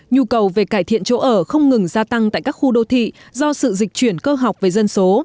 nhu cầu về cải thiện chỗ ở không ngừng gia tăng tại các khu đô thị do sự dịch chuyển cơ học về dân số